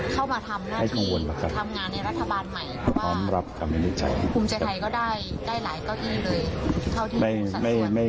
เพราะว่าภูมิใจไทยก็ได้ได้หลายก็ดีเลย